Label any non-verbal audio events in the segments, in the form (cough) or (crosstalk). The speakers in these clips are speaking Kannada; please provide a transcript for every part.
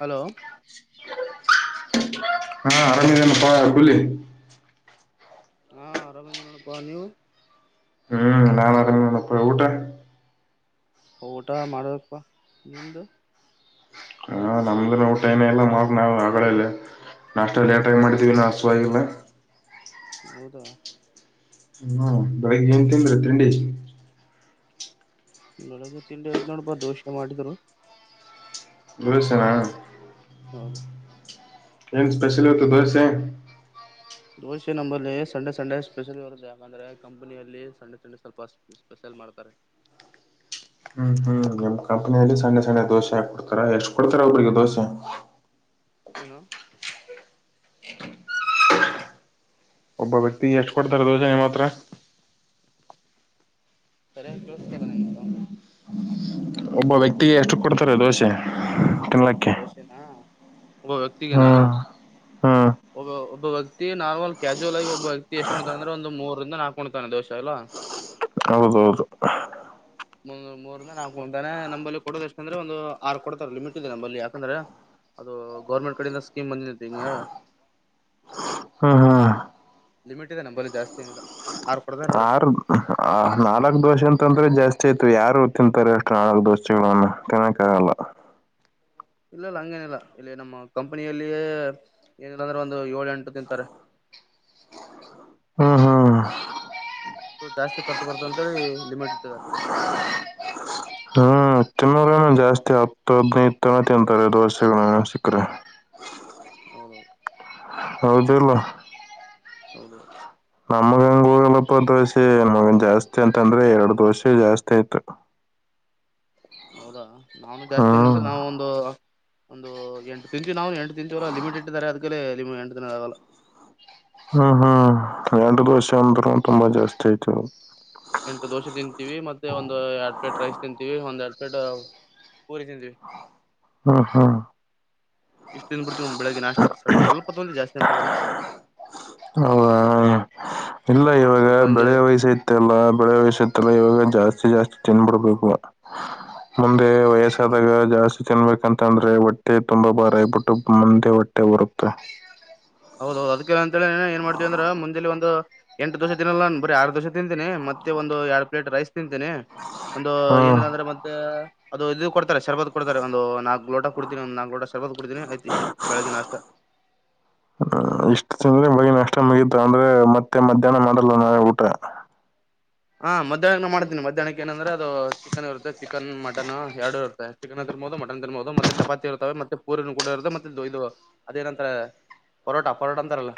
ಹಲೋ. ಹಾ ಅರಾಮಾದಿಯೇನಪ್ಪ ಹುಲಿ. ಹಾ ಅರಾಮದಿನ್ ನೋಡಪಾ ನೀವು. ಹ್ಮ್ ನಾನ್ ಆರಾಮದಿನ್ ನೋಡಪ್ಪ ಊಟ ಊಟ ಮಾಡ್ಬೇಕಪ್ಪ ನಿಮ್ದು ಹಾ ನಮ್ದನು ಊಟ ಏನ ಎಲ್ಲ ಮಾಡಬೇಕ್ ನಾವ್ಗಳಿಲ್ಲಿ ನಾಷ್ಟ ಲೇಟಾಗಿ ಮಾಡಿದ್ವಿ ಇನ್ನ ಹಸ್ವಾಗಿಲ್ಲ ಹೌದಾ ಹ್ಮ್ ಬೆಳಗ್ ಏನ್ ತಿಿಂದಿರತ್ಂಡೀ ಬೆಳಗ್ಗೆ ತಿಂಡಿ ಆಯ್ತ ನೋಡಪಾ ದೋಸೆ ಮಾಡಿದ್ರು ದೋಸೇನ (unintelligible) ಹೌದು ಏನ್ ಸ್ಪೆಷಲ್ ಇವತ್ತು ದೋಸೆ. ದೋಶೆ ನಮ್ಮಲ್ಲಿ ಸಂಡೆ ಸಂಡೆ ಸ್ಪೆಷಲ್ ಇರುತ್ತೆ ಯಾಕಂದ್ರೆ ಕಂಪ್ನಿಯಲ್ಲಿ ಸಂಡೆ ಸಂಡೆ ಸ್ವಲ್ಪ ಸ್ಪೆಷಲ್. ಮಾಡ್ತಾರೆ ಹ್ಮ್ ಹ್ಮ್ ನಿಮ್ ಕಂಪನಿಯಲ್ಲಿ ಸಂಡೆ ಸಂಡೆ ದೋಸೆ ಹಾಕ್ ಕೊಡ್ತಾರ ಎಷ್ಟ್ ಕೊಡ್ತಾರ ಒಬ್ರಿಗೆ ದೋಸೆ ಏನು ಒಬ್ಬ ವ್ಯಕ್ತಿಗೆ ಎಷ್ಕೊಡ್ತಾರೆ ದೋಸೆ ನಿಮ್ಮತ್ರ ಸರಿಯಾಗಿ ಕೇಳಿಸ್ತಲ್ಲ ನಿನ್ ಸೌಂಡ್ ಒಬ್ಬ ವ್ಯಕ್ತಿಗೆ ಎಷ್ಟು ಕೊಡ್ತಾರೆ ದೋಸೆ ತಿನ್ಲಕ್ಕೆ ದೋಸೆನಾ ಒಬ್ಬ ವ್ಯಕ್ತಿಗೆನಾ ಹ್ಮ್ ಹ್ಮ್ (unintelligible) ಒಬ್ಬ ತಿ ನಾರ್ಮಲ್ ಕ್ಯಾಶುವಲ್ ಆಗಿ ಒಬ್ಬ ವ್ಯತಿಷ್ಟು ಹೊ್ತ ಅಂದ್ರೆ ಒಂದು ಮೂರಿಂದ ನಾಕು ಹೊಣ್ತಾನೆ ದೋಷ ಎಲ್ಲ ಹೌದೌದು ಮುಂ (unintelligible) ಮೂರ್ಂದ ನಾಲ್ಕು ಮೂಂದ ತಾನೇ ನಂಬಲ್ಲಿ ಕೊಡೋದು ಎಷ್ಟ ಅಂದ್ರೆ ಒಂದು ಆರು ಕೊಡ್ತಾರೆ ಲಿಮಿಟ್ ಇದೆ ನಂಬಲ್ಲಿ ಯಾಕಂದ್ರೆ ಅದು ಗೌರ್ಮೆಂಟ್ ಕಡಿಂದ ಸ್ಕೀಮ್ ಬಂದತೆ ಈಂಗ ಹ್ಮ ಹ್ಮ ಲಿಮಿಟ್ ಇದೆ ನಂಬಲ್ಲಿ ಜಾಸ್ತಿ ಏನಿಲ್ಲ ಆರು ಕೊಡ್ತಾರ ನೋಡಿ ಆರ್ ಆ ನಾಲ್ಕ್ ದೋಸೆ ಅಂತಂದ್ರೆ ಜಾಸ್ತಿ ಚೇತು ಯಾರು ತಿಂತಾರೆ ಅಷ್ಟು ನಾಲ್ಕು ದೋಸೆಗಳನ್ನ ತಿನ್ನೋಕ್ ಆಗಲ್ಲ ಇಲ್ಲ ಇಲ್ಲ ಹಂಗೇನಿಲ್ಲ ಇಲ್ಲಿ ನಮ್ಮ ಕಂಪನಿಯಲ್ಲಿಯ ಏನಿಲ್ಲ ಅಂದ್ರೆ ಒಂದು ಏಳ ಎಂಟು ತಿಂತಾರೆ (inaudible) ಹ (inaudible) ಚೂರ್ ಜಾಸ್ತಿ ಖರ್ಚು ಬರ್ತಂತೇಳಿ ಲಿಮಿಟ್ ಇಟ್ಟಿದ್ದಾರೆ ಹ್ಮ್ ತಿನ್ನೂರಗೇನಾ ಜಾಸ್ತಿ ಹತ್ತು ಹದ್ಿನೈದು ತರ ತಿಂತಾರೆ ಒಂದೊಂದ್ ಸಿಕ್ಕರೆ ಹೌದೌದು ಎಲ್ಲಾ (unintelligible) ಹೌದು ನಮಗಂಗೂ (unintelligible) ನಗನ್ ಜಾಸ್ತಿ ಅಂತಂದ್ರೆ ಎರಡ್ದ ವರ್ಷ ಜಾಸ್ತಿ ಆಯ್ತು ಹೌದಾ ನಾವನು ಜಾಸ್ತ ಏನ ಇಲ್ರ ಹ್ಮ್ ನಾವವು ಒಂದು ಒಂದು ಎಂಟು ತಿನ್ ನಾವು ಎಟು ತಿಂತೀವಲ್ಲ ಲಿಮಿಟೆ ಇ ಇದ್ದಾರೆ ಅದ್ೇ ಲ ಎಂುಿನದ ಆಗಲ್ಲ ಹ್ಮ್ ಹ್ಮ್ ರಂಡ ದಿವಸ ಅಂದ ತುಂಬಾ ಜಾಸ್ತಿ ಆಯತು ಎಂಟು ದೋಸೆ ತಿಂತೀವಿ ಮತ್ತೆ ಒಂದು ಎರಡ್ ಪ್ಲೇಟ್ ರೈಸ್ ತಿಂತೀವಿ ಒಂದ್ ಎರಡ್ ಪ್ಲೇಟ್ ಪೂರಿ ತಿಂತಿವವಿ ಹ್ಮ್ ಹ್ಮ್ ಇಷ್ಟ ದನ್ ಬಿಡ್ತೀ್ಳಗ್ಗೆಾಷ್ಟ ಸ ಸ್ವಲ್ಪ ತಂದು ಜಾಸ್ತಿ ಅಂತಗಲ್ಲ ಹೌ ಇಲ್ಲ ಹಾ ಇವಾಗ ಸ್ವಲ್ಪ ಹಂಗೆ ಬೆಳೆ ವಯ್ಸ ತೆಲ್ಲ ಬೆಳೆ ವಯಸ್ಸೈತ್ತಲ್ಲ ಇವಾಗ ಜಾಸ್ತಿ ಜತಿ ಜಾಸ್ತಿ ತಿನ್ಬಿಡ್ಬೇಕು ಮುಂದೆ ಏನು ವಯಸ್ಸಾದಾಗ ಜಾಸ್ತಿ ತಿನ್ಬೇಕಂತಂದ್ರೆ ಹೊಟ್ಟೆ ತುಂಬಾ ಬಾರ ಆಗ್ಬಿಟ್ಟು ಮುಂದೆ ಹೊಟ್ಟೆ ಬರುತ್ತೆ ಹೌದೌದು ಅದ್ಕ್ಕೆಲ್ಲ ಅಂತ ಹೇಳಿ ಏನ್ ಮಾಡ್ತೀವಿ ಅಂದ್ರ ಮುಂದೆ ಒಂದು ಎಂಟ ದೋಸೆ ತಿನ್ನಲ್ಲ ಬರೀ ಆರು ದೋಸೆ ತಿಂದಿನಿ ಮತ್ತೆ ಒಂದು ಎರಡ್ ಪ್ಲೇಟ್ ರೈಸ್ ತಿಂತೇನೆ ಒಂದು ಹ್ಮ್ ಏನೇನ ಅಂದ್ರೆ ಮತ್ತೆ ಅದು ಇದು ಕೊಡ್ತಾರೆ ಶರ್ಬತ್ತು ಕೊಡ್ತಾರೆ ಒಂದು ನಾಲ್ಕ್ ಲೋಟ ಕೊಡ್ತೀಿನಿ ಒಂದು ನಾಲ್ಕ್ ಲೋಟ ಶರ್ಬತ್ ಕೊಡಿತಿನಿ ಆಯ್ತ ಇಷ್ಟೇ ಬೆಳಗ್ ನಾಷ್ಟ ಹ. ಹ್ಮ್ ಇಷ್ಟು ತಿಂದ್ರೆ ಬಳಿ ನಷ್ಟ ಮುಗಿತು ಅಂದ್ರೆ ಮತ್ತೆ ಮಧ್ಯಾಹ್ನ ಮಾಡಲ್ಲ ನಾವೆ ಊಟ. ಹಾ ಮಧ್ಯಾಹ್ನ ನ ಮಾಡತೀನ ಮಧ್ಯಾಹ್ನ ಏನ್ ಅಂದ್ರ ಅದು. ಚಿಕನ್ ಇರುತ್ತೆ ಚಿಕನ್ ಮಟನ್ ಎರಡು ಇತ್ತೆ ಚಿಕನ್ ಇರ್ಬಹದು ಮಟನ್ ಇರ್ಬಹದುತ್ತೆ ಚಪಾತಿ ಇರ್ತವೆ ಮತ್ತೆ ಪೂರಿನ ಕೂಡ ಇರದು. ಮತ್ತದು ಇದು ಅದೇನಂತರ ಪರೋಟ ಪರೋಟ ಅಂತಾರಲ್ಲ.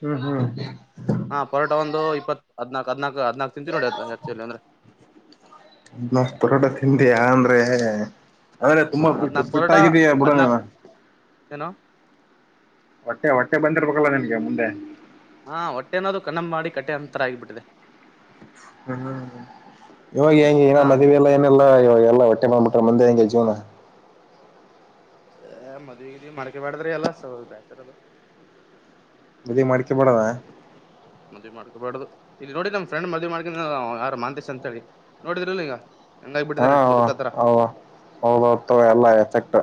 ಹ್ಮ್ ಹ್ಮ್. ಇತ್ ಹದ್ಕ ಹದ್ನಾಕ್ ಹದ. ನಷ್ಟಪರಟ ತಿಂತ. ಆದ್ರೆ ಹಾ ತುಂಬಾ ಫಿ ಹದ್ನಾಕ್ ಫಿಟ್ ಪರೋಟ ಆಗಿದಯಾ ಬುರ ಹದ್ನಾಕ್ ಏನು ಹೊಟ್ಟೆ ಹೊಟ್ಟೆ ಬಂದಿರ್ಬೇಕಲ್ಲ ನನ್ಗೆ ಮುಂದೆ. ಹಾ ಹೊಟ್ಟೆ ಅನೋದು ಕಣಂಬಾಡಿ ಕಟ್ಟೆ ಅಂತರ ಆಗಿಬಿಟ್ಟಿದೆ. ಹ್ಮ್ ಹ್ಮ್ ಇವಾಗ ಹೆಂಗ ಇನ ಹಾ ಮದುವ ಎಲ್ಲ ಏನೆಲ್ಲಾ ಇವಾಗಲ್ಲ ಹೊಟ್ಟೆ ಮಾಡಟ್ಟ. ಸೂ ಮುಂದೇ ಹೆಂಗೆ ಜೀವ್ನ. ಅ ಮದ್ವೆಗ ಮಡ್ಕೆ ಮಾಡಡ್ದ್ರಿ ಎಲ್ಲ ಸ ಬೇಸರ ಅದು. ಮದ್ವಿ ಮಾಡ್ಕ ಬೇಡವ. ಮದ್ವಿ ಮಾಡ್ಕಬಾರಡ್ದು ಇಲ್ಲಿ ನೋಡಿ ನಮ್ ಫ್ರೆಂಡ್ ಮದ್ವಿ ಮಾಡ್ಕೊಂಡ ಯಾರು ಮಾತಿಸ ಅಂತ ಹೇಳಿ ನೋಡಿದ್ರರುಲ್ ಈಗ. ಹಂಗಾಗಿ ಹಾ ಬಿಟ್ಟಿದಾನೆ ಮುದುಕತರ ಹ ಹೌದತ ಎಲ್ಲ ಎಫೆಕ್ಟ್.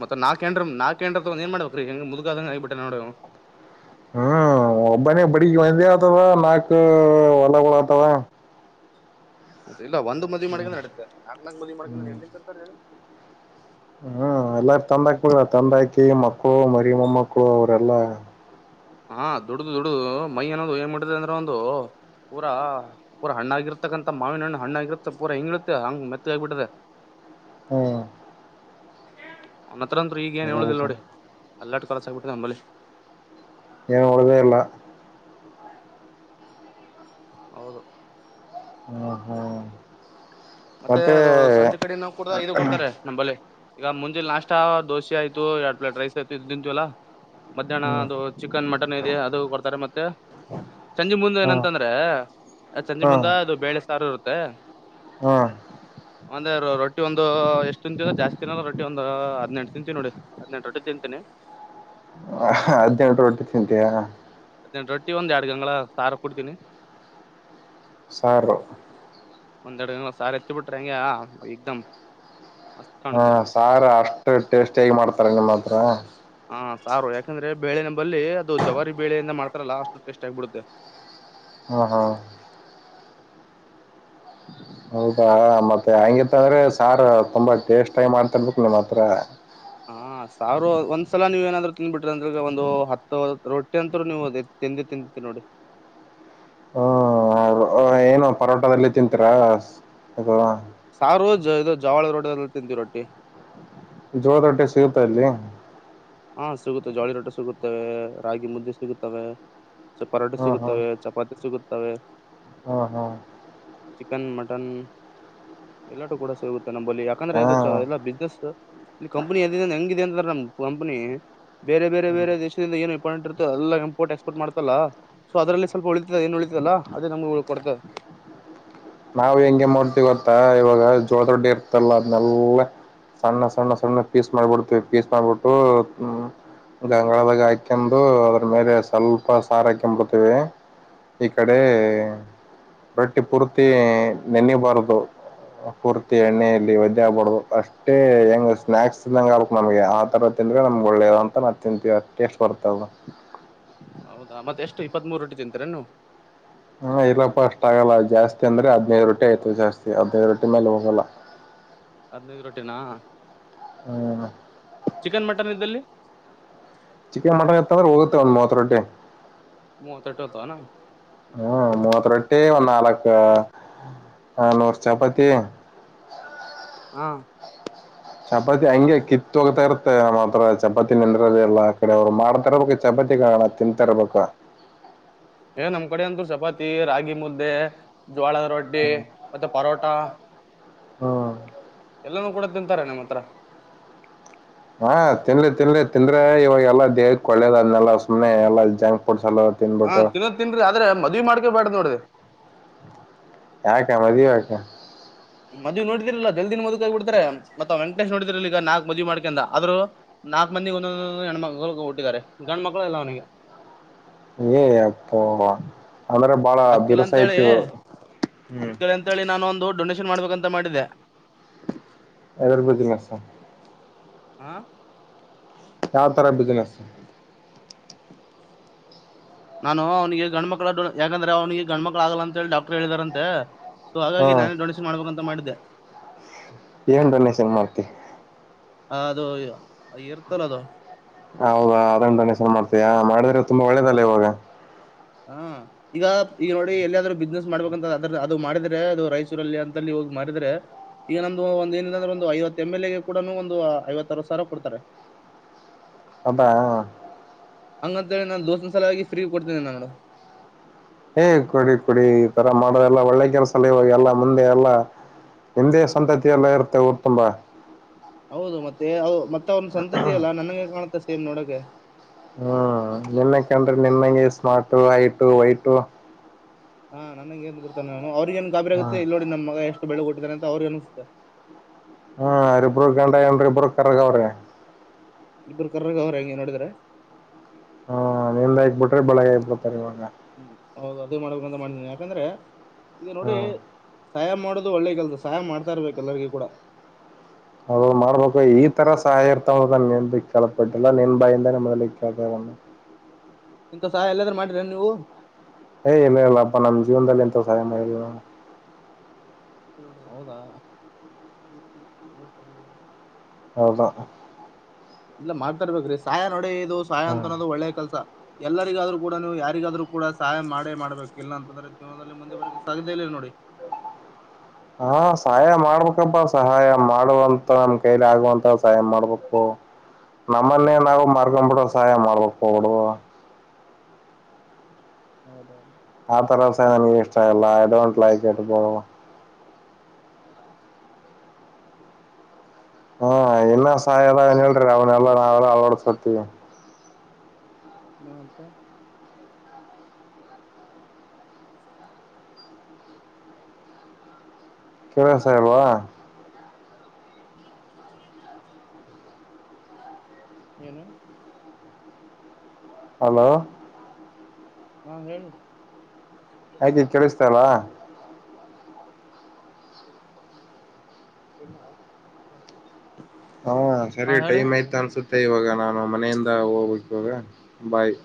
ಮತ್ತತ್ ನಾಲ್ಕಏಂಡ್ರ ನಾಕ ಎಂಡ್ರ ತ ಏನ್ ಮಾಡಬೇಕ್ರೀ ಹೆಂಗ ಮುದುಗಾದಂಗ ಆಗಿಬಿಟ್ಟೆ ನೋಡ. ಹ್ಮ್ ಒಬ್ಬನೇ ಬಡಗ್ ಒಂದೇ ಆತವ ನಾಕು ಹೊಲಗಳ ಆತಾವ. ಮತ್ತ ಇಲ್ಲ ಒಂದು ಮದಿ ಮಾಡಕಂದ್ರ ನಡತ ನಾಕ ನಲ್ಕ್ ಮಿ ಮಾಡಕಂದ್ರ ಎಲ್ಲಿಂದಂತರ್ಾರೆ ಹೇಳಿ. ಹ್ಮ್ ಎಲ್ಲಾರು ತಂದಕ್ ತಂದಾಕಿ ಮಕ್ಕಳು ಮರಿ ಮೊಮ್ಮಕ್ಕಳು ಅವರೆಲ್ಲಾ. ಹಾ ದುಡ್ದ ದುಡು ಮೈ ಅನ್ನೋದು ಏನ್ ಮಾಡಟ್ಟಿದೆ ಅಂದ್ರೆ ಒಂದು. ಪೂರಾ ಪೂರ ಹಣ್ಣಗಿರ್ತಕ್ಕಂತ ಮಾವಿನ ಹಣ್ಣಣ್ಣಗಿರ್ತ್ತೆ ಪೂರ ಹಿಂಗಿತ್ತೆ ಹಂಗ ಮೆತ್ತಗ ಆಗ್ಬ ಬಿಟ್ಟತದೆ. (unintelligible) ಹ್ಮ್. ಅವನ್ನತ್ರ ಅಂತ ಈಗ ಏನ್ ಹೇಳುದಿಲ್ಲ ಹೌದು ನೋಡಿ ಎಲ್ಲಾಟ ಕಲಸ ಆಗ್ಬಿಟ್ಟ ನಂಬಲ್ಲಿ. ನ್ ಒಳದೇ ಅಲ್ಲ. ಹೌದು. ನೀ ಹೂ. ಮತ್ತೆ ಅದು ಸಂಜೆ ಕಡಿನ ಕೂಡ ಇದು ಕೊಡ್ತಾರೆ ನಂಬಲ್ಲಿ. ಈಗ ಮುಂಜೆ ನಾಷ್ಟ ದೋಸೆ ಆಯ್ತು ಎರಡ್ ಪ್ಲೇಟ್ ರೈಸ್ ಆಯ್ತು ಇದದು್ ತಿಂತುವಲ್ಲಾ. ಮಧ್ಯಾಹ್ನ ಹ್ಮ್ ಅದು ಚಿಕನ್ ಮಟನ್ ಇದೆ ಅದು ಕೊಡ್ತಾರೆ ಮತ್ತೆ. ಚಂಜಿ ಮುಂದೆ ಹಾ ಏನಂತಂದ್ರೆ ಚಂಜಿ ಹಾ ಮುಂದ ಅದು ಬೇಳೆ ಸಾರು ಇರುತ್ತೆ. ಹಾ. ಒಂದೆ ರಟ್ಟಿ ಒಂದು ಎಷ್ಟು ತಿಂತೀದ ಜಾಸ್ ತಿಿನಲ್ಲ ರೊಿ ಒಂದು ಹದ್ಿನಂು ತಿಂತೀಿ ನೋಡಿ ಹದ್ೆಂಟು ರೊಟ್ಟಿ ತಿಂತಿನಿ. ಹ. ಹ ಹದಿನಂಟ ಒಟ್ಟಿ ತಿಂತಯಾ. ಹದಿನಂಟು ರೊಟ್ಟಿ ಒಂದ್ ಎರಡು ಗಂಗಳ ಸಾರ ಕೊಡ್ತೀನಿ. ಸಾರದ. ಒಂದಂದು ದೇಡ ದಿನ ಸಾರ ಅಚ್ಚೆ ಪುಟ್ಟ್ರಂಗಗೆ ಯ ಈ ದಮ (inaudible) ಹಾ ಸಾರ ಅಷ್ಟು ಟೇಸ್ಟಿಯಾಗಿ ಮಾಡ್ತಾರ ನಿಮ್ಮ ಹತ್ರ (inaudible) ಹಾ ಸಾರು ಯಾಕಂದ್ರೆ ಬೇಳೆನ ಬಲ್ಲಿಿ ಅದು ಜವಾರಿ ಬೇಳೆಯಿಂದ ಮಾಡ್ತಾರಲ್ಲ ಅಷ್ಟು ಟೇಸ್ಟ್ ಆಗ್ಬಿಡುತ್ತೆ (inaudible) (inaudible) ಹಾ ಹಾ (inaudible) ಹೌದಾ ಮತ್ತೆ ಹಂಗಿತ್ತ ಅಂದ್ರೆ ಸಾರ್ ತುಂಬಾ ಟೇಸ್ಟ್ ಆಗಿ ಮಾಡ್ತರ್ಬೇಕ ನಿಮ್ಮ ಹತ್ರ. ಹ ಸಾವಿರ ಒಂದ್ಸಲ ನೀವ ಏನಾದ್ರು ತಿಿಂದ್ಬಿಟ್ರಿ ಅಂದ್ರಗ ಒಂದು ಹತ್ತು ರೊಟ್ಟಿ ಅಂತರು ನೀವುದತಿ. ತಿಂದು ತಿಿಂದತಿ ನೋಡಿ. ಹ್ಮ ಏನು ಪರೋಟದಲ್ಲಿ ತಿಂತೀರಾ ಅದು. ಸಾವ ರೋಜ್ ಇದು ಜವಾಳ ರೋಟಲ್ಲ ತಿಂತೀವಿ ರೊಟ್ಟಿ (inaudible) ಜೋದೊಟ್ಟೆ ಸಿಗತಲ್ಲಿ... (inaudible) ಹಾ ಸಿಗುತ್ತೆ ಜಾಳಿ ರೊಟ್ಟ ಸಿಗುತ್ತವೆ ರಾಗಿ ಮುದ್ದೆ ಸಿಗುತ್ತವೆ.. (inaudible) ಪರಾಟೆ ಸಿಗುತ್ತವೆ ಚಪಾತಿ ಸಿಗುತ್ತವೆ.. (inaudible) ಹ್ಮ ಹಾ.. (inaudible) ಚಿಕನ್ ಮಟನ್ ಎಲ್ಲಡೂ ಕೂಡ ಸೇಗುತ್ತೆ.. (inaudible) ನಂಬಲ್ಲಿ ಯಾಕಂದ್ರೆ ಹಾ ಎಲ್ಲ ಬಿಸ್ನೆಸ್ ಇ ಕಂಪನಿ ಎ ಹೆಂಗಿದೆ ಅಂತ್ರ ನಮ್ ಕಂಪನಿ.. (inaudible) ಬೇರೆ ಬೇರೆ ಬೇರೆ ದೇಶದಿಂದ ಏನು.. (inaudible) ಎಲ್ಲ ಇಂಪೋರ್ಟ್ ಎಕ್ಸ್ಪೋರ್ಟ್ ಮಾಡ್ತಲ್ಲ ಸೊ ಅದ್ರಲ್ಲಿ ಸ್ವಲ್ಪ ಉಳಿತದ ಏ ಉಳಿತದಲ್ಲ ಅದೇ ನಮ ಕೊಡ್ತದೆ.. (inaudible) ಹ. (inaudible) ನಾವ್ ಹೆಂಗೆ ಮಾಡೋಡ್ತಿೀವಿ ಗೊತ್ತಾ ಇವಾಗ ಜೋಳ ದೊಡ್ಡ ಇರ್ತಲ್ಲ ಅದನೆಲ್ಲ. ಸಣ್ಣ ಸಣ್ಣ ಸಣ್ಣ ಪೀಸ್ ಮಾಡ್ಬಿಡ್ತವಿ ಪೀಸ್ ಮಾಡ್ಬಿಟ್ಟು ಹ್ಮ್. ಗಂಗಳದ ಗಾಯಕಂದು ಅದ್ರ ಮೇಲೆ ಸ್ವಲ್ಪ ಸಾರ ಹಾಕಿಂಬಂಬಡ್ತೇವಿ (inaudible) ಈ ಕಡೆ ಹ್ಮ್ ರೊಟ್ಟಿ ಪೂರ್ತಿ ನೆನಬಾರದು. (inaudible) ಕುೂರ್ತಿ ಎಣ್ಣೆಯಲ್ಲಿ ಒದ್ ಆಗ್ಬಾರದು ಅಷ್ಟೇ ಹೆಂಗ ಸ್ನಾಯಕ್ಸ್ ಇದ್ದಂಗ ಆಗ್ಕ್ ನಮಗೆ ಆ ತರ.. (inaudible) ನಮ್ಗೆ ಒಳ್ಳೇದ ಅಂತ ತಿಂತ ಟೇಸ್ಟ್ ಬರ್ತದು.. (inaudible) ಹೌದಾ ಮತ್ತೆ ಎಷ್ಟು ಇಪ್ಪತ್ ಮೂರು ರೊಟ್ಟಿ ತಿಂತೀರ ನೀ.. (inaudible) ಹ್ಮ ಇಲ್ಲಪ್ಪಾ ಅಷ್ಟ ಆಗಲ್ಲ ಜಾಸ್ತಿ ಅಂದ್ರೆ ಹದ್ದು ರೊಟ್ಟಿ ಆಯ್ತು ಜಾಸ್ತಿ ಹದ್ನೈದು ರೊಟ್ಟಿ ಮೇಲೆ ಹೋಗಲ್ಲ.. (inaudible) ಹದ್ನೈದು ರೊಟಿನ ಹ್ಮ್ ಚಿಕನ್ ಮಟನ್ ಇದ್ದಲ್ಲಿ. (inaudible) ಚಿಕನ್ ಮಟನ್ ಎತ್ತಂದ್ರೆ ಹೋಗುತ್ತೆ ಒಂದು ಮಾತ್ರ ಅಟೇ.. ಮೂವತ್ತೆರಡು ಇರ್ತಾವನಾ (inaudible) ಹ್ಮ ಮೂತ್ರೊಟ್ಟಿ ಒಂದ.. ನಾಲ್ಕ ಆ ನೂರು ಚಾಪತಿ. (inaudible) ಹಾ. (inaudible) ಚಪಾತಿ ಹಂಗೆ ಕಿತ್ ಹೋಗ್ತಾ ಇರತ್ತೆ ನಮ್ಮ ಮಾತ್ರ ಚಪಾತಿ ನೆಂದ್ರ ಎಲ್ಲ ಕಡೆ ಅವ್ರು ಮಾಡ್ತಾರ ಅವ್ರಿಗೆ ಚಪಾತಿ. (inaudible) (inaudible) ತಿಂತರ್ಬೇಕಾ. (inaudible) ಏ ನಮ್ ಕಡೆ ಅಂತೂ ಚಪಾತಿ ರಾಗಿ ಮುದ್ದೆ. (inaudible) ಜೋಳದ ರೊಡ್ಡಿ ಮತ್ತುತ್ತ ಪರೋಟ. (inaudible) ಹ್ಮ್. (inaudible) ತಿಂತಾರ ನಮ್ಮ ಹತ್ರ. (inaudible) ಹಾ ತಿನ್ಲಿ ತಿನ್ಲಿ ತಿಂದ್ರೆ ಇವಾಗ ಎಲ್ಲಾ ದೇಹಕ್ ಒಳ್ಳೇದ್ ಅದನ್ನೆಲ್ಲಾ ಸುಮ್ಮನೆ ಎಲ್ಲ ಜಂಗ ಪಟ್ಟ. (inaudible) ಹಾ ತಿನ್ನೋದ ತಿನ್ರಿ ಆದ್ರೆ ಮದ್ ಮಾಡ್ಕೋಬೇಡ ನೋಡ್ದ.. (inaudible) ಹಾಕ ಮದ ಆಕ.. (unintelligible) ಮದ್ ನೋಡಿದ್ರರ್ಲಲ್ಲ ಜಲ್ದಿನ ಮದುವಕಗಿ ಬಿಡ್ತಾರೆ ಮತ್ತ ವೆಂಕಟೇಶ್ ನೋಡಿದ್ರರ್ಲ್ಲ ಈಗ ನಾಕ್ ಮದ್ ಮಾಡ್ಕಂದ ಆದ್ರರು.. (inaudible) ನಾಲ್ಕ್ ಮಂದಿಗೆ ಒಂದೊಂದ ಹೆಣ ಮಕ್ಳ ಹುಟ್ಟಿದ್ದಾರೆ ಗಂಡ ಮಕ್ಳು ಎಲ್ಲ ಅವನಿಗೆ.. (inaudible) ಎ ಅಪ್ಪ. (inaudible) ಅಂದ್ರೆ ಬಾಳ ಅದ್ಕಿಲ್ಲ ಅಂತೇಳಿ ದುರಸಾಯತಿ ಹ್ಮ್. (inaudible) ಅದ್ಕಿಲ್ಲ ಅಂತೇಳಿ ನಾನು ಒಂದು ಡೊನೇಷನ್ ಮಾಡ್ಬೇಕಂತ ಮಾಡಿದ್ದೆ.. (inaudible) ಎರ ಬದಿಸ. (inaudible) ಹ. (inaudible) ಯಾವ ತರ ಬಿಜನೆಸ್.. (inaudible) ನಾನು ಅವ್ನಿಗೆ ಗಂಡ್ಮಕ್ಳ ಯಾಕಂದ್ರೆ ಅವನಿಗೆ ಗಂಡ್ಮಕ್ಳ ಆಗಲ್ಲ ಅಂತ ಹೇಳಿ ಡಾಕ್ಟರ್ ಹೇಳಿದಾರಂತೆ.. (inaudible) ಸೊ ಹಾ ಹಾಗಾಗಿ ನಾನೇ ಡೊನೇನ್ ಮಾಡಬೇಕಕ್ಂತ ಮಾಡಿದ್ದೆ.. ಏನ್ ಡೊನೇಷನ್ ಮಾಡ್ತಿ.. ಹ ಅದು ಇರ್ತಲ್ಲ ಅದು.. ಹೌದಾ ಅದಾನ ಡೊನೇಷನ್ ಮಾಡ್ತೀಯಾ ಮಾಡಿದ್ರೆ ತುಂಬಾ ಒಳ್ಳೇದಲ್ಲ ಇವಾಗ ಹಾ ಈಗ ಈಗ ನೋಡಿ ಎಲ್ಲಿಯಾದ್ ಬಿಸ್ನೆಸ್ ಮಾಡ್ಬೇಕಂತ ಅದ ಅದು ಮಾಡಿದ್ರೆ ಅದು ರೈಚ್ಚುರಲ್ಲಿ ಅಂತ.. ಹೋಗ್ ಮಡಿದ್ರೆ.. ಈಗ ನಂದು ಒಂದ ಏನಿಲ್ಲ ಅಂದ್ರೆ ಒಂದು ಐವತ್ತು ಎಂ ಎಲ್ ಎ ಗೆ ಕೂಡ ಒಂದು ಐವತ್ತಾರು ಸಾವರ ಕೊಡ್ತಾರೆ.. ಸಂಬ ಹಂಗಂತೇಳಿ ನಾನು ದೋಸ್ತನ ಸಲಯಾಗಿ ಫ್ರೀ ಕೊಡ್ತೀನಿ ನ ನೋಡು.. ಏ ಕೊಡಿ ಕೋಡಿ ಈ ತರ ಮಾಡದೆಲ್ಲ ಒಳ್ಳೆ ಕೆಲ್ಸದಲ್ಲಿ ಇ ಹೋಗ ಎಲ್ಲಾ ಮುಂದೆ ಎಲ್ಲ.. ನಿಮ್ದೇ ಸಂತತಿಯ ಎಲ್ಲ ಇರುತ್ತೆ ಉಊರ್ಪಲ್ಲ.. ಹೌದು ಮತ್ತೆ ಮತ್ತ ಅವ್ರನ್ ಸಂತತಿಿಯಲ್ಲಾ ನನಗೆ ಕಾಣುತ್ತೆ ಸೇಮ್ ನೋಡಕ್ಕೆ ಹ್ಮ್ ನಿನ್ನಕಂದ್ರೆ ನಿನ್ನಗೆ ಸ್ಮಾರ್ಟು ಐಟು ವೈಟು ಹಾ ನನ್ಂಗಗೆಂದ್ ಬಿಡ್ತಾನ ನು ಅವ್ರಿಗ ಏನ್ ಗಾಬರಿ ಹಾ ಆಗೆ ಇಲ್ ನಡಿ ನಮ್ಮ ಮಗ ಎಷ್ಟ್ ಬೆಳೆ ಕೊಟ್ಟಿದ್ದಾರೆ ಅಂತ ಅವ್ರಿಗೆ ಅನಿಸುತ್ತೆ ಬ್ಬರು ಕರಗ ಅವ್ರೆ ಇಬ್ಬರು ಕರ್ರಗ ಅವರ ಹೆಂಗೆ ನೋಡಿದ್ರ ಹಾ ನಿಲ್ದಕ್ಬಿಟ್ರೆ ಬೆಳಗ್ ಆಬಿಡ್ತಾರ ಇವಾಗ ಹ್ಮ್ ಹೌದು ಅದೇ ಮಾಡ್ಬೇಕಂತ ಮಾಡಿದೇನಿ ಯಾಕಂದ್ರೆ ಈಗ ಹಾ ನೋಡಿ ಸಹಾಯ ಮಾಡೋುದು ಒಳ್ಳೆ ಕೆಲ್ಸ ಸಹಾಯ ಮಾಡ್ತಾ ಇರ್ಬೇಕ ಎಲ್ಲರಿಗ ಕೂಡ ಹ ಮಾಡ್ಬೇಕು ಈ ತರ ಸಹಾಯ ಇರ್ತ ನಿನ್ ಕಲ್ಪಟ್ಟಿಲ್ಲ ನಿನ್ ಬಾಯಿಂದಮ್ಮ ಮೊದ ಇ ಕೇಳ್ತು ಇಂಥ ಸಹಾಯ ಎಲ್ಲಾದ್ರೂ ಮಾಡಿರನ್ ನೀವು ಏ್ ಇಲ್ಲ ಇಲ್ಲ ಅಪ್ಪ ನಮ್ ಜೀವನದಲ್ಲಿ ಎಂತ ಸಹಾಯ ಮಾಡ ಹ್ಮ ಹೌದಾ ಹೌದ ಇಲ್ಲ ಮಾಡ್ತರ್ಬೇಕ್ರೀ ಸಾಯ ನೋಡಿ ಇದು ಸಾಯ ಹಾ ಅಂತ ಅನ್ನೋದು ಒಳ್ಳೆ ಕೆಲಸ ಎಲ್ಲರಿಗಾದ್ೂ ಕೂಡ ನೀವು ಯಾರಿಗಾದ್ೂ ಕೂಡ ಸಹಾಯ ಮಾಡೇ ಮಾಡ್ಬೇಕಿಲ್ಲಲ್ಲ ಅಂತಂದ್ರೆ ಜೀವನದಲ್ಲಿ ಮುಂದೆ ಬರಕಕ್ಕೆ ಸಾಧ್ಯ ಇವು ಡಿ ಹಾ ಸಹಾಯ ಮಾಡ್ಬೇಕಪ್ಪಾ ಸಹಾಯ ಮಾಡುವಂತ ನಮ್ ಕೈಲಿ ಆಗುವಂತ ಸಹಾಯ ಮಾಡ್ಬೇಕು ನಮ್ಮನ್ನೇ ನಾವು ಮಾರ್ಕೊ್ಬಿಡೋ ಸಹಾಯ ಮಾಡ್ಬೇಕಕ್ ಹೋಗಬಿಡು ಹೌದೌದು ಆ ತರಸನಗೆ ಇಷ್ಟಯಲ್ಲ ಆದ ಒಲ ಆ ಕಟ್ಟುೋಣ ಹಾ ಇನ್ನ ಸಹಾಯಲ್ಲ ಏನ್ ಹೇಳ್ರಿ ಅವನೆಲ್ಲಾ ನಾವೆಲ್ಲ ಅಳ್ವಡ್ಸತಿೀವಿ ಮತ್ತೆ ಕೆೇಳಸ ಇವಾ ತ ಚ (unintelligible) ಏನು ಹಲೋ ಹಾ ಹೇಳಿ ಆಯ್ತು ಕೇಳಿಸತಲ್ (unintelligible) ಅ (unintelligible) ಹಾ ಸರಿ ಟೈಮ್ ಆಯ್ತು ಅನ್ಸುತ್ತೆ ಇವಾಗ ನಾನು ಮನೆಯಿಂದ ಹೋಗ್ಬೇಕಕ್ ಇಾಗ ಬಾಯ್